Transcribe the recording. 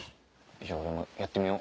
じゃあ俺もやってみよう。